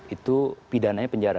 itu pidana penjara